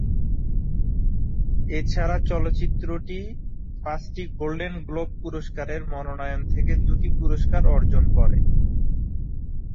এছাড়া চলচ্চিত্রটি পাঁচটি গোল্ডেন গ্লোব পুরস্কারের মনোনয়ন থেকে দুটি পুরস্কার অর্জন করে।